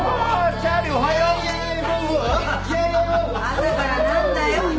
朝からなんだよ！